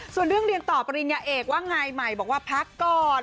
ส่วนเรื่องเรียนต่อปริญญาเอกว่าไงใหม่บอกว่าพักก่อน